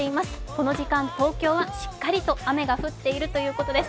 この時間東京はしっかり雨が降ってるということです。